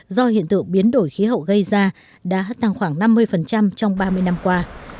do hiện tượng biến đổi khí hậu gây ra đã tăng khoảng năm mươi trong ba mươi năm qua